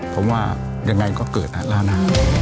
ผมว่ายังไงก็เกิดแล้วนะ